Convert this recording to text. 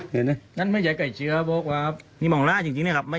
พี่มาเจ้าว่างสุดโจทย์นะอันนี้แน่นิดหนึ่งจับต้องด้วยครับนี้